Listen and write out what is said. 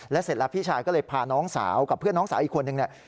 เสร็จแล้วพี่ชายก็เลยพาน้องสาวกับเพื่อนน้องสาวอีกคนนึงเนี่ย